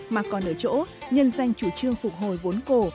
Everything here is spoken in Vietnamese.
mà còn ở chỗ nhân danh chủ trương phục hồi vốn cổ